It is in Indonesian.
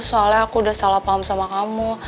soalnya aku udah salah paham sama kamu